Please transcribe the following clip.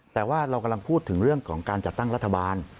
แต่ว่าเรากำลังพูดถึงเรื่องของการจัดตั้งรัฐบาล